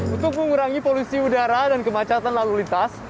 untuk mengurangi polusi udara dan kemacetan lalu lintas